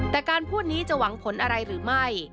แต่การพูดนี้จะหวังผลอะไรหรือไม่